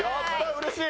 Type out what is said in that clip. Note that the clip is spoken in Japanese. うれしい！